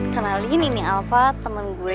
kenalin ini alva temen gue